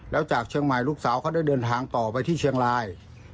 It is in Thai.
แล้วจากเชียงใหม่ลูกสาวเขาได้เดินทางต่อไปที่เชียงราย